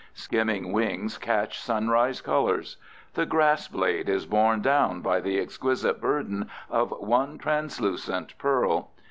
Skimming wings catch sunrise colors. The grass blade is borne down by the exquisite burden of one translucent pearl.